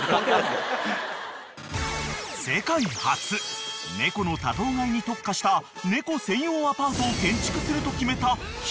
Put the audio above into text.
［世界初猫の多頭飼いに特化した猫専用アパートを建築すると決めた木津さん］